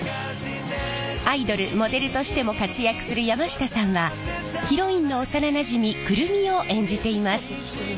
アイドルモデルとしても活躍する山下さんはヒロインの幼なじみ久留美を演じています。